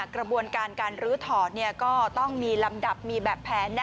กระบวนการการลื้อถอดก็ต้องมีลำดับมีแบบแผน